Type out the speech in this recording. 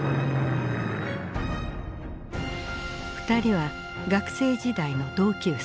２人は学生時代の同級生。